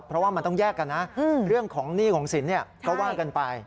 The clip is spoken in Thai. เพราะว่ามันต้องแยกกันนะเรื่องของหนี้ของสินก็ว่ากันไป